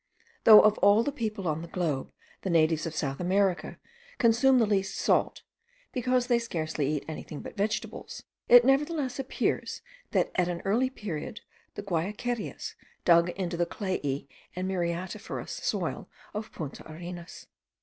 Though of all the people on the globe the natives of South America consume the least salt, because they scarcely eat anything but vegetables, it nevertheless appears, that at an early period the Guayquerias dug into the clayey and muriatiferous soil of Punta Arenas.